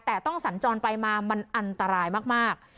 แต่ต้องสัญจรไปมามันอันตรายมาก